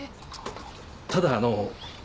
ただあのう。